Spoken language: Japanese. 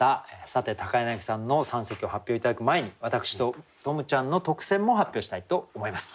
さて柳さんの三席を発表頂く前に私と十夢ちゃんの特選も発表したいと思います。